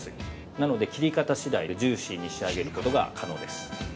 なので切り方次第でジューシーに仕上げることが可能です。